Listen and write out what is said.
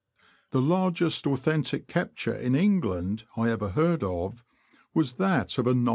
The largest authentic capture in England I ever heard of, was that of a gib.